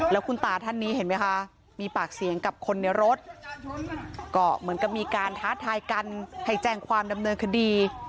แล้วคุณตาท่านนี้เห็นไหมคะมีปากเสียงกับคนในรถก็เหมือนกับมีการท้าทายกันให้แจ้งความดำเนินคดี